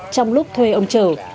trong lúc thuê ông chờ